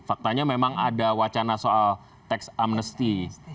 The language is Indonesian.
faktanya memang ada wacana soal tax amnesty